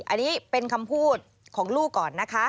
อันนี้เป็นคำพูดของลูกก่อนนะคะ